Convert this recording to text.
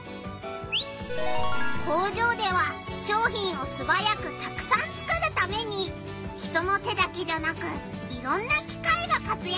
工場では商品をすばやくたくさんつくるために人の手だけじゃなくいろんな機械が活やくしているんだなあ。